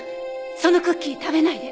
そのクッキー食べないで。